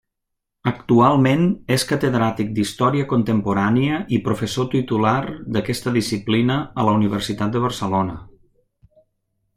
Actualment és catedràtic d'història contemporània i professor titular d'aquesta disciplina a la Universitat de Barcelona.